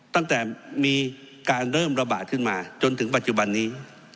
ตั้งแต่มีการเริ่มระบาดขึ้นมาจนถึงปัจจุบันนี้